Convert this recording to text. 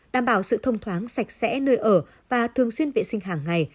đảm bảo sự thông thoáng sạch sẽ nơi ở và thường xuyên vệ sinh hàng ngày